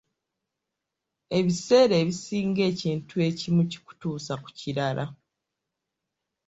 Ebiseera ebisinga ekintu ekimu kikutuusa ku kirala.